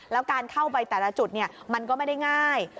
แล้วการเข้าไปแต่ละจุดมันก็ไม่ได้ง่าย